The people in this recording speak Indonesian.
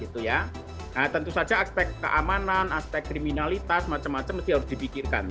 nah tentu saja aspek keamanan aspek kriminalitas macam macam mesti harus dipikirkan